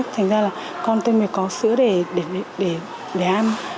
thành ra là con tôi mới có sữa để ăn